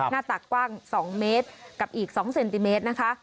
หน้าตักกว้าง๒เมตรกับอีก๒เซนติเมตรนะคะ